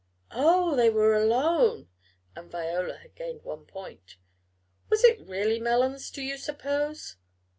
"Oh, they were alone!" and Viola had gained one point. "Was it really melons, do you suppose?"